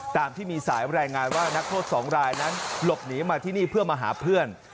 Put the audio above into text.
ตามที่มีสายรายงานว่านักโทษ๒รายนั้นหลบหนีมาที่นี่เพื่อมาหาเพื่อน